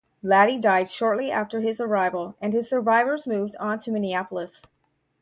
Laddy died shortly after his arrival and his survivors moved on to Minneapolis.